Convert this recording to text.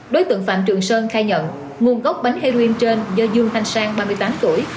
đối tượng phạm trường sơn khai nhận nguồn gốc bánh heroin trên do dương thanh sang ba mươi tám tuổi